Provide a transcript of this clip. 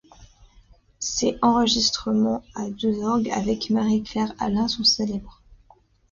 Ses enregistrements à deux orgues avec Marie-Claire Alain sont célèbres.